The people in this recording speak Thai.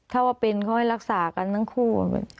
ถ้าว่าเป็นเขาให้รักษากันทั้งคู่